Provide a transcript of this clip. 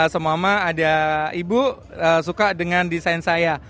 semama ada ibu suka dengan desain saya